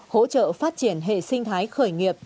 hỗ trợ phát triển hệ sinh thái khởi nghiệp